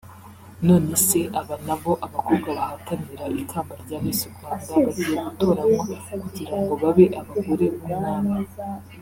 nonese aba nabo (abakobwa bahatanira ikamba rya Miss Rwanda) bagiye gutoranywa kugira ngo babe abagore b'Umwami